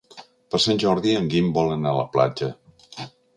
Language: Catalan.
Per Sant Jordi en Guim vol anar a la platja.